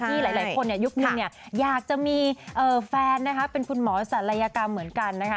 หลายคนยุคนึงอยากจะมีแฟนนะคะเป็นคุณหมอศัลยกรรมเหมือนกันนะคะ